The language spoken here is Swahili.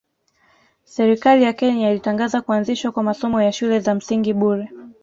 Serikali ya Kenya ilitangaza kuanzishwa kwa masomo ya shule za msingi bure